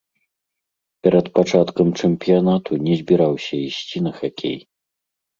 Перад пачаткам чэмпіянату не збіраўся ісці на хакей.